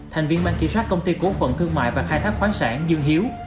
thành viên ban kiểm soát công ty cố phận thương mại và khai thác khoáng sản dương hiếu